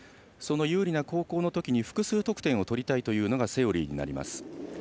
その有利な後攻のときに複数得点を取りたいというのがセオリーになります。